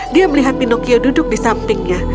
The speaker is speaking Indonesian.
dia melihat pinocchio duduk di sampingnya